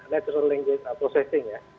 natural language processing ya